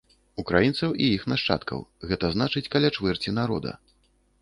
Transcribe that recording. Украінцаў і іх нашчадкаў, гэта значыць каля чвэрці народа.